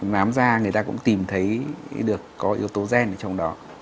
nám ra người ta cũng tìm thấy được có yếu tố gen ở trong đó